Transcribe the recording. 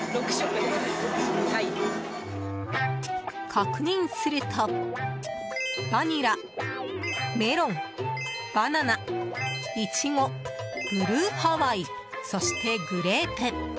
確認すると、バニラ、メロンバナナ、イチゴ、ブルーハワイそして、グレープ。